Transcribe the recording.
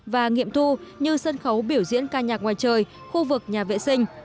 và nghiệm thu như sân khấu biểu diễn ca nhạc ngoài trời khu vực nhà vệ sinh